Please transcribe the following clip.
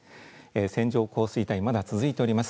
線状降水帯、まだ続いております。